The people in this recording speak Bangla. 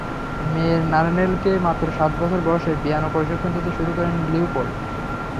মেয়ে নার্নেলকে মাত্র সাত বছর বয়সেই পিয়ানো প্রশিক্ষণ দিতে শুরু করেন লিওপোল্ড।